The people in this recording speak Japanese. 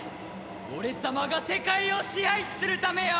俺様が世界を支配するためよ！